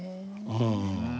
うん。